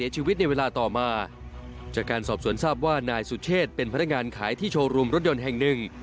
จากการสอบสวนทราบว่านายสุเชษเป็นพนักงานขายที่โชว์รูมรถยนต์แห่งหนึ่ง